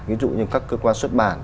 ví dụ như các cơ quan xuất bản